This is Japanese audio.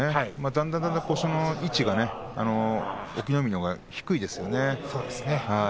だんだん腰の位置が隠岐の海のほうが低いですよね。